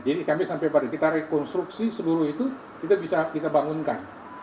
jadi kami sampai pada kita rekonstruksi seluruh itu kita bisa kita bangunkan